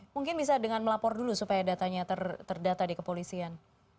mungkin bisa dengan melapor dulu supaya datanya terdata di kepolisian